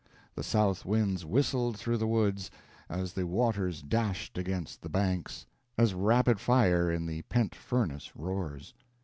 The south winds whistled through the woods, as the waters dashed against the banks, as rapid fire in the pent furnace roars.